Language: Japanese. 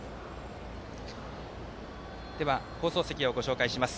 放送席をご紹介します